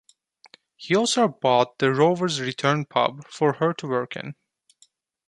He also bought the Rovers Return pub for her to work in.